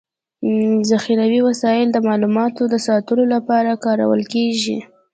ذخيروي وسایل د معلوماتو د ساتلو لپاره کارول کيږي.